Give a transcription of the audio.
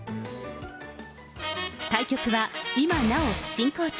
対局は今なお進行中。